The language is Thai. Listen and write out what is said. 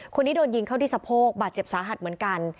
คนนี้โดนยิงเข้าที่สะโพกบาดเจ็บสาหัสเหมือนกัน